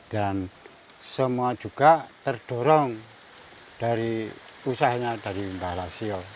dan semua juga terdorong dari usahanya dari pak lasio